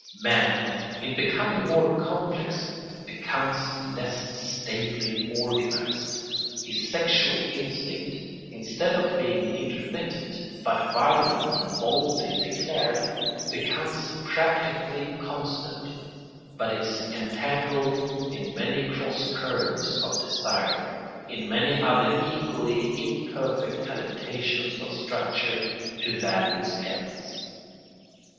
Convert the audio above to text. Man, in becoming more complex, becomes less stably organised. His sexual instinct, instead of being intermittent, but violent and boldly declared, becomes practically constant, but is entangled in many cross currents of desire, in many other equally imperfect adaptations of structure to various ends.